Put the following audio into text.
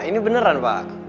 ini beneran pak